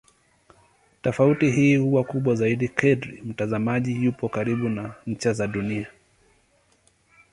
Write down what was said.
Tofauti hii huwa kubwa zaidi kadri mtazamaji yupo karibu na ncha za Dunia.